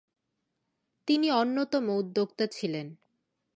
তিনি অন্যতম উদ্যোক্তা ছিলেন।